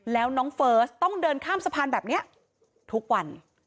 แล้วน้องเฟิร์สต้องเดินข้ามสะพานแบบนี้ทุกวัน